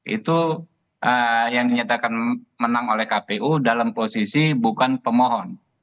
itu yang dinyatakan menang oleh kpu dalam posisi bukan pemohon